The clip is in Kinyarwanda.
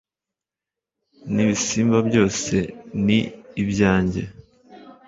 n'ibisimba byose ni ibyanjye